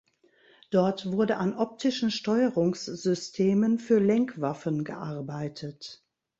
Dort wurde an optischen Steuerungssystemen für Lenkwaffen gearbeitet.